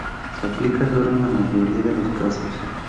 Se aplica suero en la mayoría de los casos.